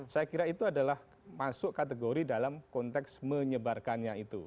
saya kira itu adalah masuk kategori dalam konteks menyebarkannya itu